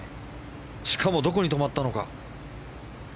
しかもどこに止まったのか。